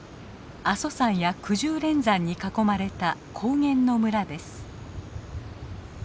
阿蘇山やくじゅう連山に囲まれた高原の村です。